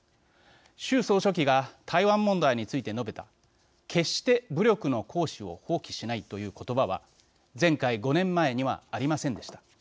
習総書記が台湾問題について述べた決して武力の行使を放棄しないという言葉は前回５年前にはありませんでした。